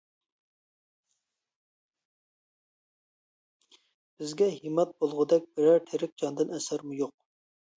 بىزگە ھىمات بولغۇدەك بىرەر تىرىك جاندىن ئەسەرمۇ يوق.